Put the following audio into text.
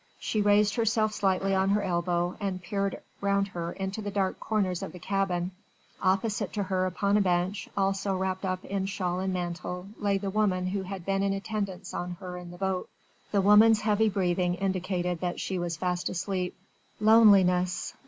She raised herself slightly on her elbow and peered round her into the dark corners of the cabin: opposite to her upon a bench, also wrapped up in shawl and mantle, lay the woman who had been in attendance on her in the boat. The woman's heavy breathing indicated that she was fast asleep. Loneliness!